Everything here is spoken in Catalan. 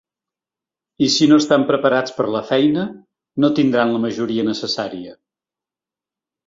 I si no estan preparats per la feina, no tindran la majoria necessària.